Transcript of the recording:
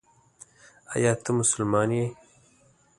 ایا ته مسلمان یې ؟